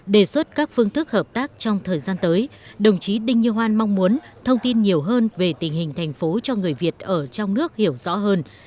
đề xuất các phương thức hợp tác trong thời gian tới đồng chí đinh như hoan mong muốn thông tin nhiều hơn về tình hình thành phố cho người việt ở trong nước hiểu rõ hơn